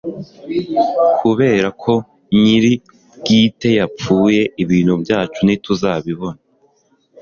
kubera ko nyir’ ubwite yapfuye ibintu byacu ntituzabibona